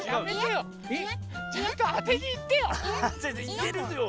ちゃんとあてにいってよ。